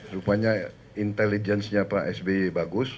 rupanya intelijensnya pak sby bagus